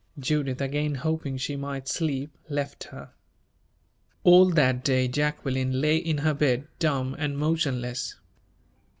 Judith, again hoping she might sleep, left her. All that day Jacqueline lay in her bed dumb and motionless.